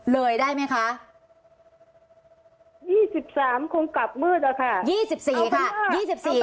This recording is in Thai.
เลยได้ไหมคะยี่สิบสามคงกลับมืดอะค่ะยี่สิบสี่ค่ะยี่สิบสี่